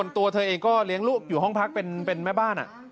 ตัวเธอเองก็เลี้ยงลูกอยู่ห้องพักเป็นแม่บ้าน